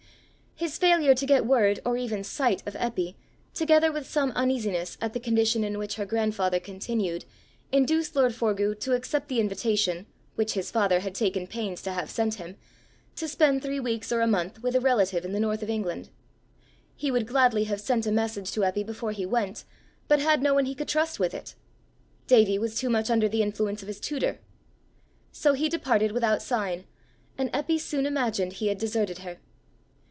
His failure to get word or even sight of Eppy, together with some uneasiness at the condition in which her grandfather continued, induced lord Forgue to accept the invitation which his father had taken pains to have sent him to spend three weeks or a month with a relative in the north of England. He would gladly have sent a message to Eppy before he went, but had no one he could trust with it: Davie was too much under the influence of his tutor! So he departed without sign, and Eppy soon imagined he had deserted her.